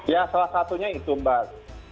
ya salah satunya itu mbak